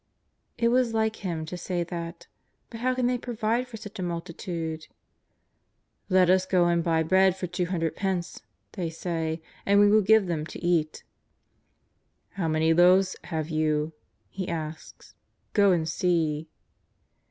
It was like Him to say that, but how can they provide for such a multitude ?" Let us go and buy bread for two hundred pence," they say, " and we will give them to eat." " How many loaves have you ? He asks. " Go and see."